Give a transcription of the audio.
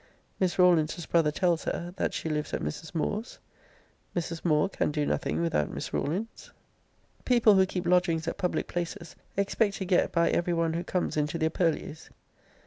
Miss Rawlins's brother tells her, that she lives at Mrs. Moore's. Mrs. Moore can do nothing without Miss Rawlins. People who keep lodgings at public places expect to get by every one who comes into their purlieus.